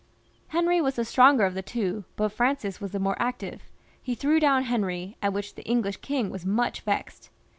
Henry was the stronger of the two, but Francis was the more active ; he threw down Henry, at which the English king was much vexed.